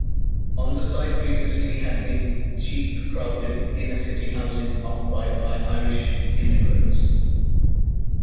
On the site previously had been cheap crowded inner-city housing occupied by Irish immigrants.